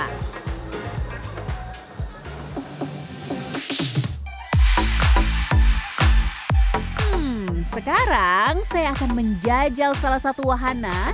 hmm sekarang saya akan menjajal salah satu wahana